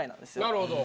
なるほど。